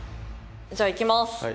じゃあいきます。